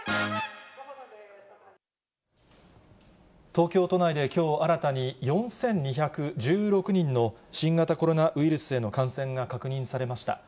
東京都内できょう新たに、４２１６人の新型コロナウイルスへの感染が確認されました。